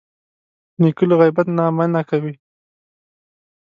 نیکه له غیبت نه منع کوي.